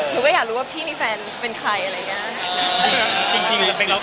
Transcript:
หนูก็อยากรู้ว่าพี่มีแฟนเป็นใครอะไรอย่างนี้